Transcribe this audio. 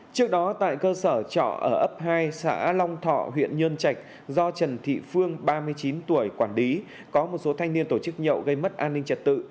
trước đó tại cơ sở trọ ở ấp hai xã long thọ huyện nhơn trạch do trần thị phương ba mươi chín tuổi quản lý có một số thanh niên tổ chức nhậu gây mất an ninh trật tự